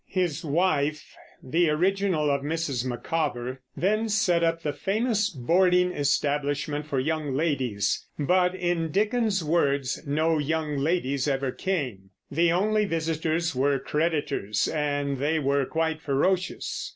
His wife, the original of Mrs. Micawber, then set up the famous Boarding Establishment for Young Ladies; but, in Dickens's words, no young ladies ever came. The only visitors were creditors, and they were quite ferocious.